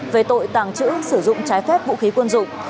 về tội tàng trữ sử dụng trái phép vũ khí quân dụng